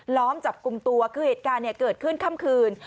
ล้อมจับกลุ่มตัวคือเหตุการณ์เกิดขึ้นค่ำคืน